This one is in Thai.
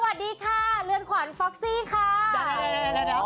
สวัสดีค่ะเรือนขวัญฟอกซี่ค่ะ